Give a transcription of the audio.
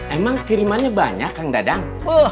emang kirimannya banyak kang dadang